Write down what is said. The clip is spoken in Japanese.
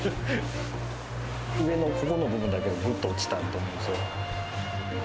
上のここの部分だけぐっと落ちたんだと思うんですよ。